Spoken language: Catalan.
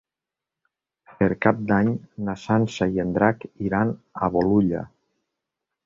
Per Cap d'Any na Sança i en Drac iran a Bolulla.